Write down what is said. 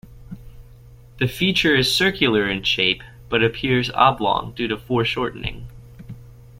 The feature is circular in shape, but appears oblong due to foreshortening.